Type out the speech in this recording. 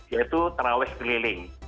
yaitu taraweh seliling